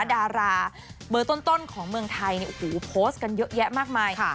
ดาราเบอร์ต้นของเมืองไทยโพสต์กันเยอะแยะมากมาย